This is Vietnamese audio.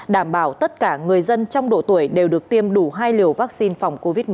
đảm bảo tất cả người dân trong độ tuổi đều được tiêm đủ hai liều vaccine phòng covid một mươi chín